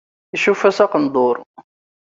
Icuff-as aqenduṛ.